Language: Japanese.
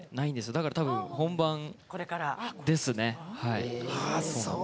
だから、たぶん本番ですね。